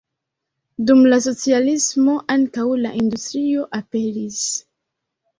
Dum la socialismo ankaŭ la industrio aperis.